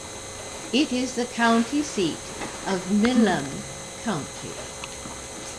It is the county seat of Milam County.